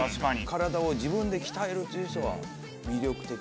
体を自分で鍛えるという人は魅力的ですよね。